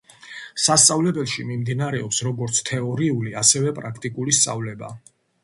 სასწავლებელში მიმდინარეობს როგორც თეორიული, ასევე პრაქტიკული სწავლება.